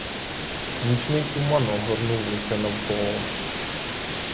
Нічний туман огорнув усе навколо.